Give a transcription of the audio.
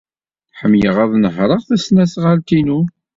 Ḥemmleɣ ad nehṛeɣ tasnasɣalt-inu.